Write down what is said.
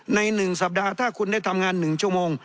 ใน๑สัปดาห์ถ้าคุณได้ทำงาน๑ชั่วโมง